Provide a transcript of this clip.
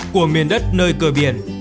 của miền đất nơi cờ biển